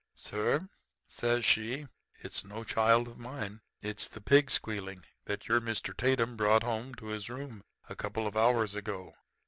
"'Sir,' says she, 'it's no child of mine. It's the pig squealing that your friend Mr. Tatum brought home to his room a couple of hours ago.